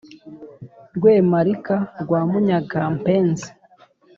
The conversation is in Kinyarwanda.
rwemarika rwa munyagampenzi